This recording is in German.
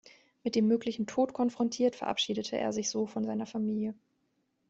Mit dem möglichen Tod konfrontiert, verabschiedete er sich so von seiner Familie.